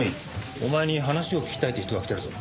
お前に話を聞きたいって人が来てるぞ。